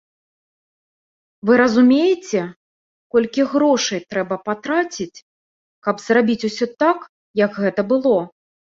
Вы разумееце, колькі грошай трэба патраціць, каб зрабіць усё так, як гэта было?!